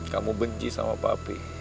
kamu benci sama papi